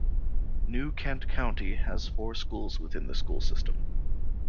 New Kent County has four schools within the school system.